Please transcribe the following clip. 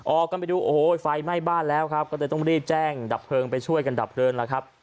ออกกันไปดูโอ้โหไฟไหม้บ้านแล้วครับก็เลยต้องรีบแจ้งดับเพลิงไปช่วยกันดับเพลิงแล้วครับ